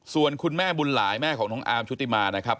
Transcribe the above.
ส่วนคุณแม่บุญหลายแม่ของน้องอาร์มชุติมานะครับ